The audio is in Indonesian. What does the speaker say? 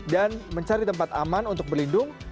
mencari tempat aman untuk berlindung